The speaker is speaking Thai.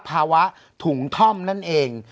ภาวะถุงท่อมนั่นเอง